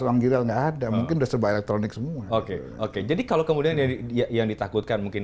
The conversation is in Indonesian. uang giril nggak ada mungkin sudah serba elektronik semua oke oke jadi kalau kemudian yang ditakutkan mungkin